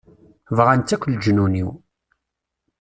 Bɣan-tt akk leǧnun-iw.